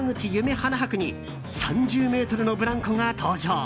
花博に３０ｍのブランコが登場。